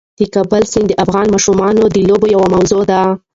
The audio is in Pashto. د کابل سیند د افغان ماشومانو د لوبو یوه موضوع ده.